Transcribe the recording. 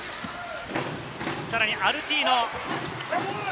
さらにアルティーノ。